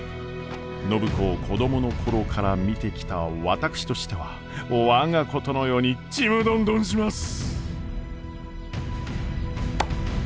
暢子を子供の頃から見てきた私としては我がことのようにちむどんどんします！